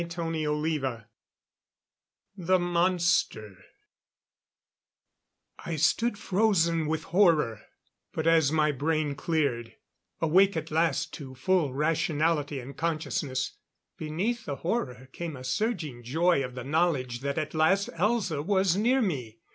CHAPTER XXX The Monster I stood frozen with horror; but as my brain cleared awake at last to full rationality and consciousness beneath the horror came a surging joy of the knowledge that at last Elza was near me.